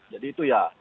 jadi itu ya